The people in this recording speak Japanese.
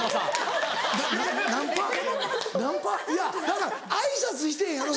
いやだから挨拶してんやろ？